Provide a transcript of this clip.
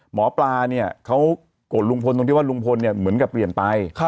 หมอปลาเนี่ยเขาโกรธลุงพลตรงที่ว่าลุงพลเนี่ยเหมือนกับเปลี่ยนไป